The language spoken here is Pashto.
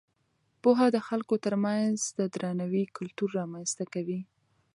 پوهه د خلکو ترمنځ د درناوي کلتور رامینځته کوي.